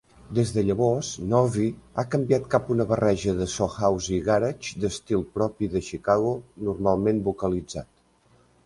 Des de llavors, Novy ha canviat cap a una barreja de so house i garage d'estil propi de Chicago, normalment vocalitzat.